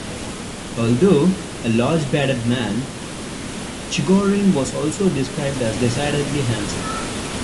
Although a large bearded man, Chigorin was also described as 'decidedly handsome'.